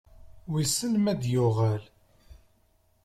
Wissen ma ad d-yuɣal?